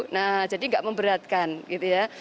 nah jadi nggak memberatkan gitu ya